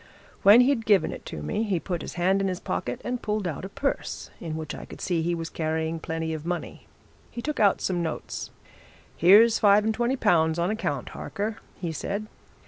When he'd given it to me, he put his hand in his pocket and pulled out a purse in which I could see he was carrying plenty of money. He took out some notes. 'Here's five and twenty pounds on account, Harker,' he said.